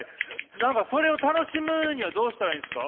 何かそれを楽しむにはどうしたらいいんですか？